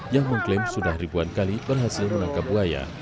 yang mengklaim sudah ribuan kali berhasil menangkap buaya